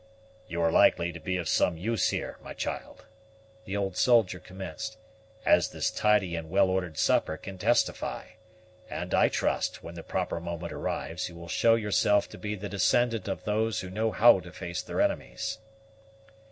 "You are likely to be of some use here, my child," the old soldier commenced, "as this tidy and well ordered supper can testify; and I trust, when the proper moment arrives, you will show yourself to be the descendant of those who know how to face their enemies."